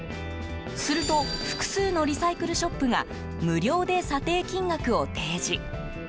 すると複数のリサイクルショップが無料で査定金額を提示。